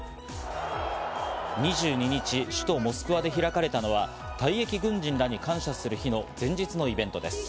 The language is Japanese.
２２日、首都モスクワで開かれたのは退役軍人らに感謝する日の前日のイベントです。